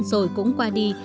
rồi cũng qua đi